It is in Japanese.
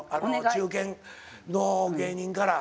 中堅の芸人から。